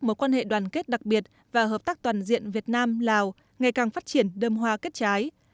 mối quan hệ đoàn kết đặc biệt và hợp tác toàn diện việt nam lào ngày càng phát triển đơm hoa kết trái